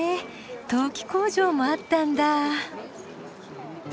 陶器工場もあったんだぁ。